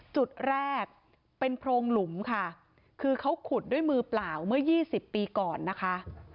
จุดแรกเป็นโพรงหลุมค่ะคือเขาขุดด้วยมือเปล่าเมื่อ๒๐ปีก่อนนะคะ